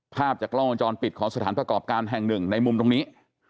ภาพจากกล้องวงจรปิดของสถานประกอบการแห่งหนึ่งในมุมตรงนี้